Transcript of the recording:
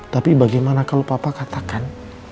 tapi bagaimana kalau papa katakan